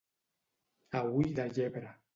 A ull de llebre.